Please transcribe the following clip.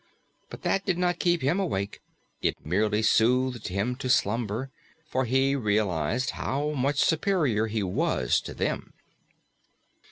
But that did not keep him awake; it merely soothed him to slumber, for he realized how much superior he was to them.